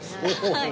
はい。